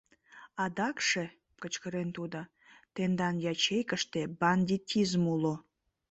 — Адакше, — кычкырен тудо, — тендан ячейкыште бандитизм уло.